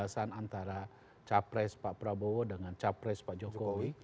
gagasan antara capres pak prabowo dengan capres pak jokowi